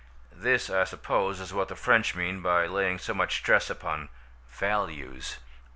This, I suppose, is what the French mean by laying so much stress upon "values."